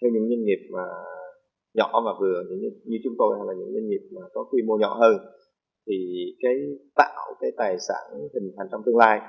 theo những doanh nghiệp nhỏ và vừa như chúng tôi hay những doanh nghiệp có quy mô nhỏ hơn tạo tài sản hình thành trong tương lai